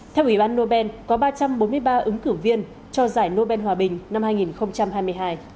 theo ủy ban nobel có ba trăm bốn mươi ba ứng cử viên cho giải nobel hòa bình năm hai nghìn hai mươi hai